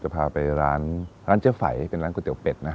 จะพาไปร้านเจ้าไฝเป็นร้านก๋วยเตี๋ยวเป็ดนะ